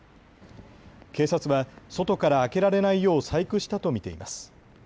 警察は外から開けられないよう細工したと見ています。